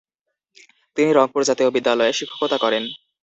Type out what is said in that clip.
তিনি রংপুর জাতীয় বিদ্যালয়ে শিক্ষকতা করেন।